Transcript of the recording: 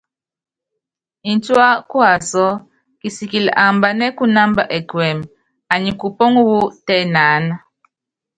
Ncúá kuasɔ́, kisikili ambanɛ́ kunámba ɛkuɛmɛ, anyi kupɔ́ŋɔ wú tɛnaánɛ.